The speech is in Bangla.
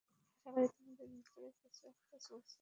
আশা করি তোমাদের ভেতর কিছু একটা চলছে।